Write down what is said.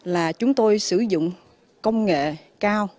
là chúng tôi sử dụng công nghệ cao